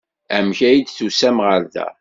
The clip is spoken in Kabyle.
Amek ay d-tusam ɣer da?